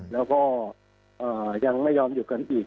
แล้วก็ยังไม่ยอมหยุดกันอีก